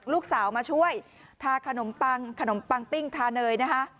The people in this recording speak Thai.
ลูกสาวมาช่วยทาขนมปังขนมปังปิ้งทาเนยนะคะ